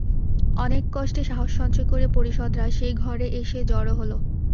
অনেক কষ্টে সাহস সঞ্চয় করে পরিষদরা সেই ঘরে এসে জড়ো হল।